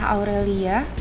mantan model sarah aurelia